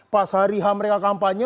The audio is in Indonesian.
pas hari mereka kampanye